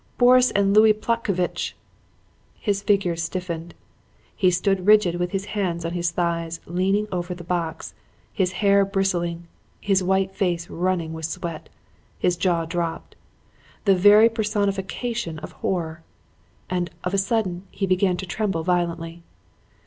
Boris and Louis Plotcovitch!' "His figure stiffened. He stood rigid with his hands on his thighs, leaning over the box, his hair bristling, his white face running with sweat, his jaw dropped; the very personification of horror. And of a sudden he began to tremble violently.